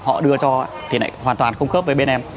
họ đưa cho thì lại hoàn toàn không khớp với bên em